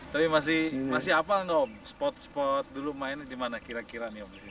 tapi masih apa om spot spot dulu mainnya di mana kira kira nih om